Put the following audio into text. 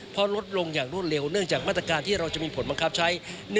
เพราะลดลงอย่างรวดเร็วเนื่องจากมาตรการที่เราจะมีผลบังคับใช้